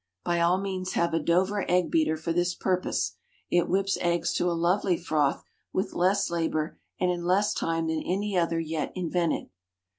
(By all means have a Dover Egg Beater for this purpose. It whips eggs to a lovely froth with less labor and in less time than any other yet invented.)